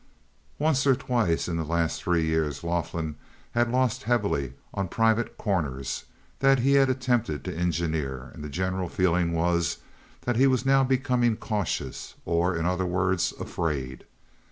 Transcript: Once or twice in the last three years Laughlin had lost heavily on private "corners" that he had attempted to engineer, and the general feeling was that he was now becoming cautious, or, in other words, afraid.